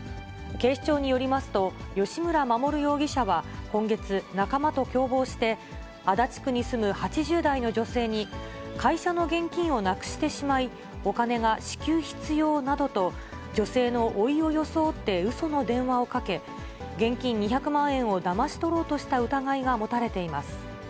警視庁によりますと、吉村守容疑者は、今月、仲間と共謀して、足立区に住む８０代の女性に、会社の現金をなくしてしまい、お金が至急必要などと、女性のおいを装ってうその電話をかけ、現金２００万円をだまし取ろうとした疑いが持たれています。